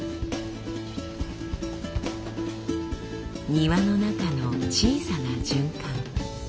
庭の中の小さな循環。